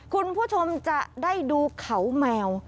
คุณผู้ชมจะได้ดูเขาแมว